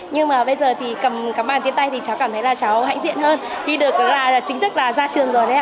nhưng mà bây giờ thì cầm cái bằng trên tay thì cháu cảm thấy là cháu hãnh diện hơn khi được là chính thức là ra trường rồi đấy ạ